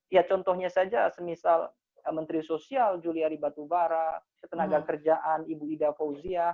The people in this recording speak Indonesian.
ya contohnya saja semisal menteri sosial juliari batubara ketenaga kerjaan ibu ida fauzia